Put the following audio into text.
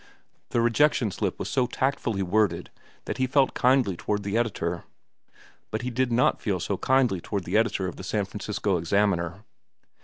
The rejection slip was so tactfully worded that he felt kindly toward the editor. But he did not feel so kindly toward the editor of the San Francisco Examiner.